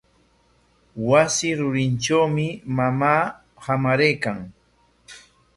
Wasi rurintrawmi mamaa hamaraykan.